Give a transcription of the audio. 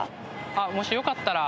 もしよかったら。